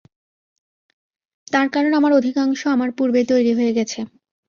তার কারণ, আমার অধিকাংশ আমার পূর্বেই তৈরি হয়ে গেছে।